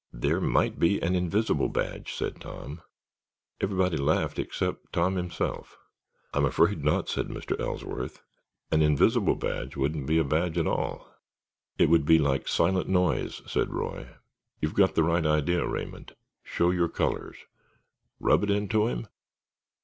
"There might be an invisible badge," said Tom. Everybody laughed except Tom himself. "I'm afraid not," said Mr. Ellsworth. "An invisible badge wouldn't be a badge at all." "It would be like a silent noise," said Roy, "You've got the right idea, Raymond, Show your colors. Rub it into him?